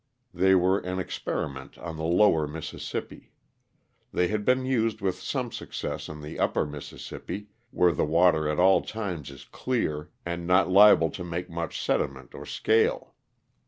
They were an experiment on the lower Mississippi. They had been used with some success on the upper Mississippi, where the water at all times is clear and not liable to make much sediment or scale.